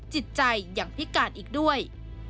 จิตใจยังพิการอีกด้วย